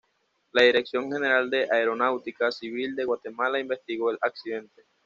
La Dirección General de Aeronáutica Civil de Guatemala investigó el accidente.